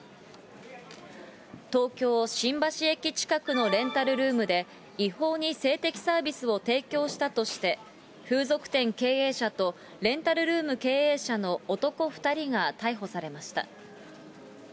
東京・新橋駅近くのレンタルルームで、違法に性的サービスを提供したとして、風俗店経営者とレンタルルーム経営者の男２人が逮捕されました。